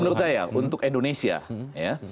menurut saya untuk indonesia ya